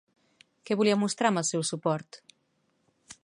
Què volia mostrar amb el seu suport?